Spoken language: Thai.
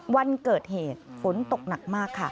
วันเกิดเหตุฝนตกหนักมากค่ะ